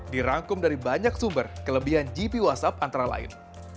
dirangkum dari banyak sumber kelebihan gp whatsapp antara lain